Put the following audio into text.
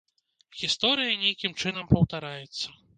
Гісторыя нейкім чынам паўтараецца.